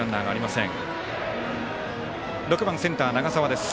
バッター、６番センター、長澤です。